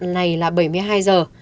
này là bảy mươi hai giờ